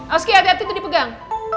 aski hati hati itu dipegang